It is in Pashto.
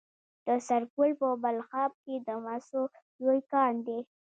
د سرپل په بلخاب کې د مسو لوی کان دی.